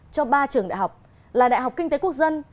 cho ba trường đại học là đại học kinh tế quốc dân